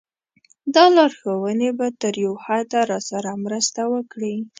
دا لارښوونې به تر یوه حده راسره مرسته وکړي.